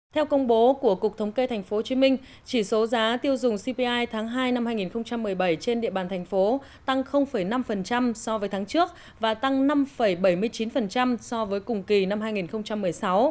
theo công bố của cục thống kê tp hcm chỉ số giá tiêu dùng cpi tháng hai năm hai nghìn một mươi bảy trên địa bàn thành phố tăng năm so với tháng trước và tăng năm bảy mươi chín so với cùng kỳ năm hai nghìn một mươi sáu